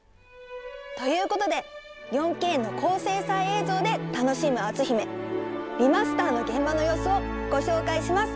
ということで４Ｋの高精細映像で楽しむ「篤姫」リマスターの現場の様子をご紹介します。